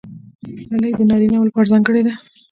خولۍ د نارینه وو لپاره ځانګړې ده.